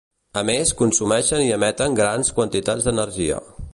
A més, consumeixen i emeten grans quantitats d'energia.